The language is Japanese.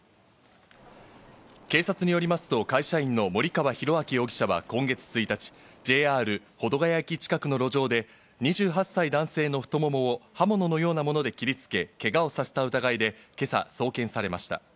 警察によりますと、会社員の森川浩昭容疑者は今月１日、ＪＲ保土ケ谷駅近くの路上で、２８歳男性の太ももを刃物のようなもので切りつけ、けがをさせた疑いで、今朝送検されました。